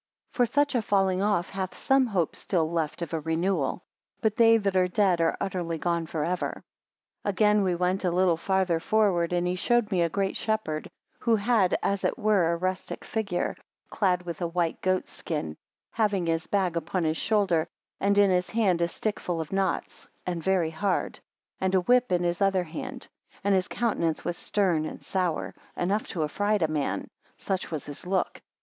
For such a falling off hath some hope still left of a renewal; but they that are dead, are utterly gone for ever. 16 Again we went a little farther forward, and he showed me a great shepherd, who had as it were a rustic figure; clad with a white goat's skin, having his bag upon his shoulder, and in his hand a stick full of knots, and very hard, and a whip in his other hand; and his countenance was stern and sour, enough to affright a man; such was his look.